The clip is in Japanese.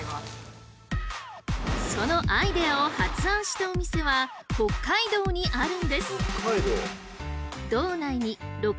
そのアイデアを発案したお店は北海道にあるんです！